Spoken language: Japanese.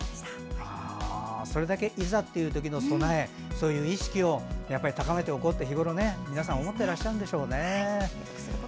それだけいざという時の備えそういう意識を高めていこうと日ごろ、皆さん思ってらっしゃるんですね。